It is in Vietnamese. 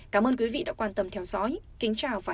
cảm ơn quý vị đã quan tâm theo dõi